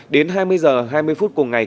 đến hai mươi h hai mươi phút cùng ngày